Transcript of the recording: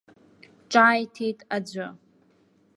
Ҿааиҭит аӡәы.